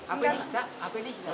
apa di sita